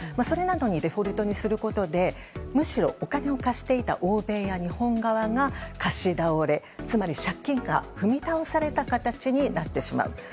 それなのにデフォルトにすることでむしろお金を貸していた欧米や日本側が貸し倒れ、つまり借金が踏み倒された形になってしまう。